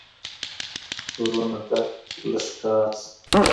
تورونه ډک له ښکار سي